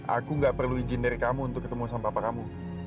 aku gak perlu izin dari kamu untuk ketemu sama bapak kamu